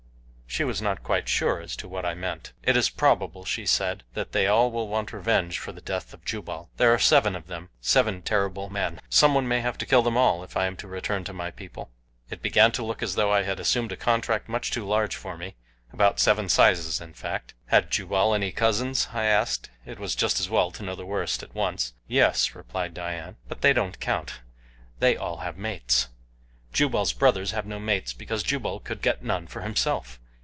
She was not quite sure as to what I meant. "It is probable," she said, "that they all will want revenge for the death of Jubal there are seven of them seven terrible men. Someone may have to kill them all, if I am to return to my people." It began to look as though I had assumed a contract much too large for me about seven sizes, in fact. "Had Jubal any cousins?" I asked. It was just as well to know the worst at once. "Yes," replied Dian, "but they don't count they all have mates. Jubal's brothers have no mates because Jubal could get none for himself.